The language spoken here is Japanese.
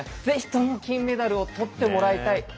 ぜひとも金メダルを取ってもらいたい。